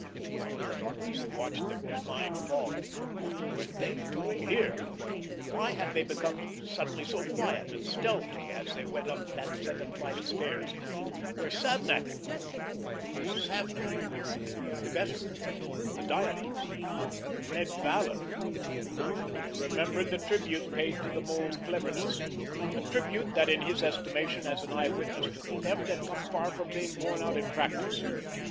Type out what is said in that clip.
Out of the darkness he watched them, his mind fogged. What were they doing here? Why had they become suddenly so quiet and stealthy as they went up that second flight of stairs—where Savnak had gone! Savnak—Vetter—the diamonds—Red Vallon! He remembered the tribute paid to the Mole's cleverness, a tribute that, in his estimation as an eyewitness to the theft, had come far from being borne out in practice.